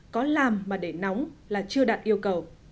có làm mà để nóng là chưa đạt yêu cầu